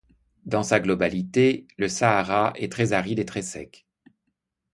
Dans sa globalité, le Sahara est très aride et très sec.